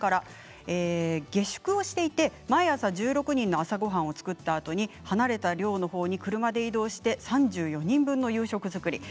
下宿をしていて、毎朝１６人の朝ごはんを作ったあと離れた寮に車で移動して３４人分の夕食作りです。